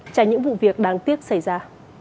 trả những vụ việc đáng tiếc xảy ra